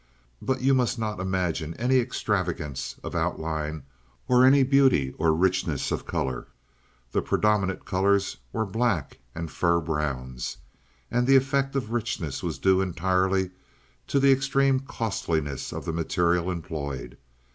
But you must not imagine any extravagance of outline or any beauty or richness of color. The predominant colors were black and fur browns, and the effect of richness was due entirely to the extreme costliness of the materials employed.